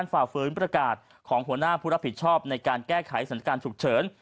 ฝ่าฝืนประกาศของหัวหน้าผู้รับผิดชอบในการแก้ไขสถานการณ์ฉุกเฉิน